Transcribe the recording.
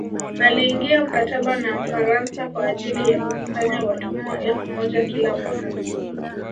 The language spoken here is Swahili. Aliingia mkataba na mfaransa kwa ajili ya kukusanya watumwa elfu moja kila mwaka